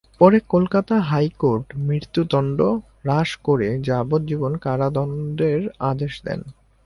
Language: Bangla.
পরে কলকাতা হাইকোর্ট মৃত্যুদণ্ড হ্রাস করে যাবজ্জীবন কারাদণ্ডের আদেশ দেন।